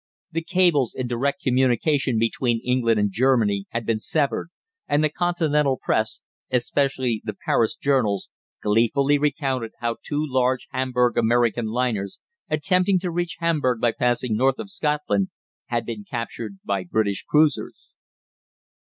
The cables in direct communication between England and Germany had been severed, and the Continental Press, especially the Paris journals, gleefully recounted how two large Hamburg American liners attempting to reach Hamburg by passing north of Scotland had been captured by British cruisers.